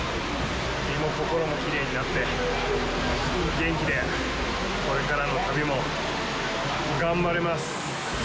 身も心もきれいになって元気で、これからの旅も頑張れます。